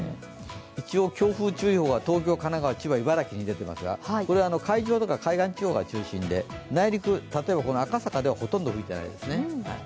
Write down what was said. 一応、強風注意報が東京、神奈川千葉、茨城に出ていますがこれは海上とか海岸地方が中心で内陸、例えば赤坂ではほとんど吹いてないですね。